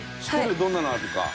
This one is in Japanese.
どんなのあるか。